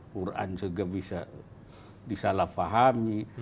quran juga bisa disalahfahami